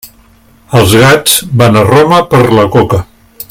Els gats van a Roma per la coca.